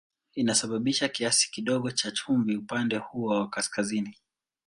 Inasababisha kiasi kidogo cha chumvi upande huo wa kaskazini.